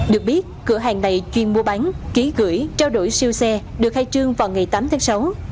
được biết cửa hàng này chuyên mua bán ký gửi trao đổi siêu xe được khai trương vào ngày tám tháng sáu